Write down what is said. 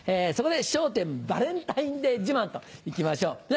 そこで「笑点バレンタインデー自慢」と行きましょう。